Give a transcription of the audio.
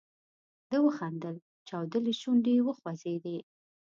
ده وخندل، چاودلې شونډې یې وخوځېدې.